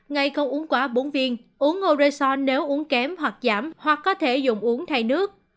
ngày không uống quá bốn viên uống oreson nếu uống kém hoặc giảm hoặc có thể dùng uống thay nước